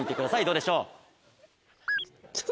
どうでしょう？